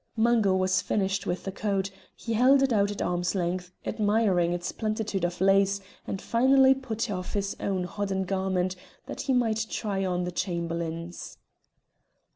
Mungo was finished with the coat; he held it out at arm's length, admiring its plenitude of lace, and finally put off his own hodden garment that he might try on the Chamberlain's.